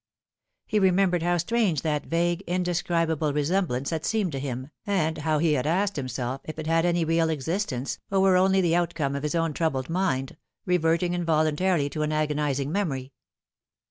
He remembered how strange that vague, indescribable resem blance had seemed to him, and how he had asked himself if it had any real existence, or were only the outcome of his own troubled mind, reverting involuntarily to an agonising memory.